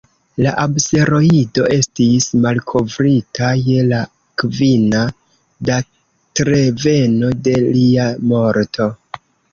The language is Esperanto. La asteroido estis malkovrita je la kvina datreveno de lia morto.